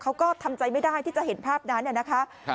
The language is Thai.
เขาก็ทำใจไม่ได้ที่จะเห็นภาพนั้นนะคะ